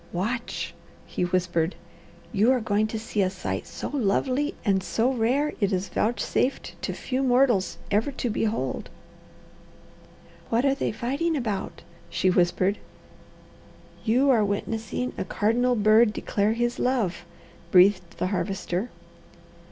"Watch!" he whispered. "You are going to see a sight so lovely and so rare it is vouchsafed to few mortals ever to behold." "What are they fighting about?" she whispered. "You are witnessing a cardinal bird declare his love," breathed the Harvester.